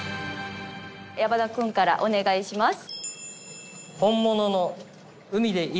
矢花君からお願いします。